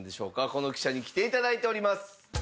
この記者に来て頂いております。